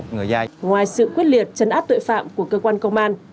ngoài sự quyết liệt chấn áp tội phạm của cơ quan công an